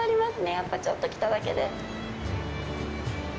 やっぱ、ちょっと来ただけで。